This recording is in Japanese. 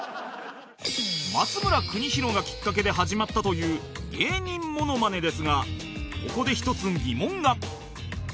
松村邦洋がきっかけで始まったという芸人モノマネですがここで１つ疑問が